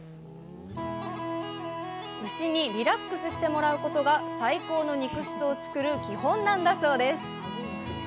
牛にリラックスしてもらうことが最高の肉質を作る基本なんだそうです。